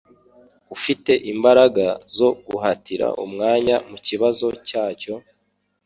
Ufite imbaraga zo guhatira umwanya mukibazo cyacyo?